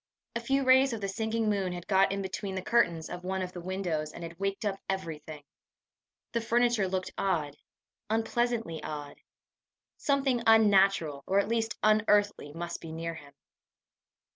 A few rays of the sinking moon had got in between the curtains of one of the windows, and had waked up everything! The furniture looked odd unpleasantly odd. Something unnatural, or at least unearthly, must be near him!